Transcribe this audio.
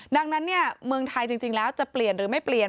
ดังนั้นเมืองไทยจริงแล้วจะเปลี่ยนหรือไม่เปลี่ยน